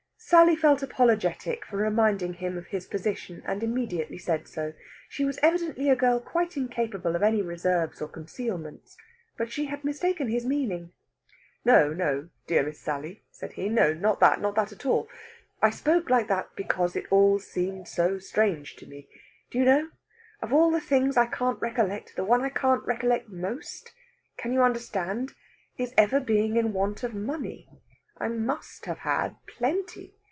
Sally felt apologetic for reminding him of his position, and immediately said so. She was evidently a girl quite incapable of any reserves or concealments. But she had mistaken his meaning. "No, no, dear Miss Sally," said he. "Not that not that at all! I spoke like that because it all seemed so strange to me. Do you know? of all the things I can't recollect, the one I can't recollect most can you understand? is ever being in want of money. I must have had plenty.